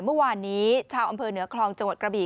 เมื่อวานนี้ชาวอำเภอเหนือคลองจังหวัดกระบี่